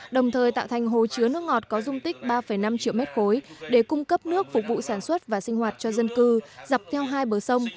đồng thời tạo thành hồ chứa nước ngọt có dung tích ba năm triệu m ba để cung cấp nước phục vụ sản xuất và sinh hoạt cho dân cư dọc theo hai bờ sông